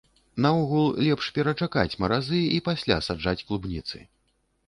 Наогул, лепш перачакаць маразы, і пасля саджаць клубніцы.